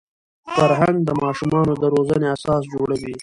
فرهنګ د ماشومانو د روزني اساس جوړوي.